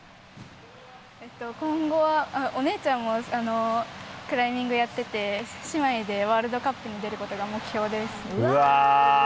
今後は、お姉ちゃんもクライミングやってて姉妹でワールドカップに出ることが目標です。